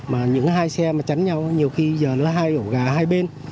mà những hai xe mà chắn nhau nhiều khi giờ nó hai ổ gà hai bên